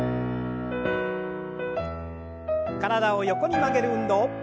体を横に曲げる運動。